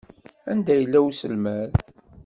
Anda yella uselmad?